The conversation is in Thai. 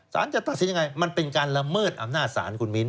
สารจะตัดสินยังไงมันเป็นการละเมิดอำนาจศาลคุณมิ้น